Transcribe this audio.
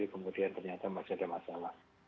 kemudian ternyata masih ada masalah